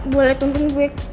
boleh tuntun gue